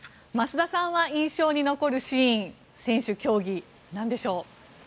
増田さんは印象に残るシーン、選手、競技なんでしょう？